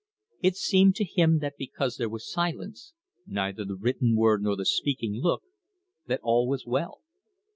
It seemed to him that because there was silence neither the written word nor the speaking look that all was well.